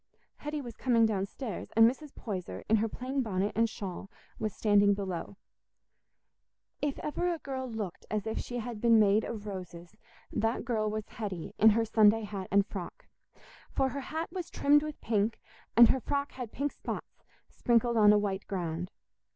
Hetty was coming downstairs, and Mrs. Poyser, in her plain bonnet and shawl, was standing below. If ever a girl looked as if she had been made of roses, that girl was Hetty in her Sunday hat and frock. For her hat was trimmed with pink, and her frock had pink spots, sprinkled on a white ground.